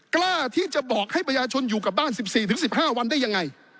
กล้าที่จะบอกให้ประชาชนอยู่กับบ้าน๑๔๑๕วันได้ยังไง